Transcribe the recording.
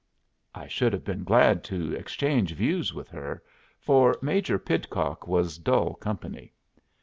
I should have been glad to exchange views with her, for Major Pidcock was dull company.